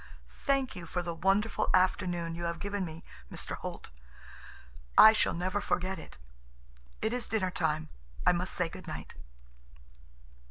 "Thank you for the wonderful afternoon you have given me, Mr. Holt. I shall never forget it. It is dinner time. I must say good night."